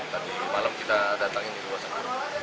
tadi malam kita datangin dua orang